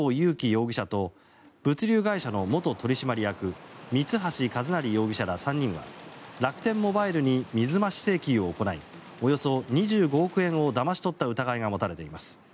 容疑者と物流会社の元取締役三橋一成容疑者ら３人は楽天モバイルに水増し請求を行いおよそ２５億円をだまし取った疑いが持たれています。